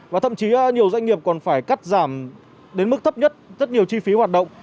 và thậm chí nhiều doanh nghiệp còn phải cắt giảm đến mức thấp nhất rất nhiều chi phí hoạt động